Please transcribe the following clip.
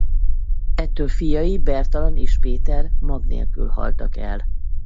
Ettől fiai Bertalan és Péter mag nélkül haltak el.